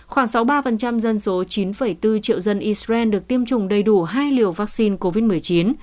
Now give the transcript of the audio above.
khoảng sáu mươi ba dân số chín bốn triệu dân israel được tiêm chủng đầy đủ hai liều vaccine covid một mươi chín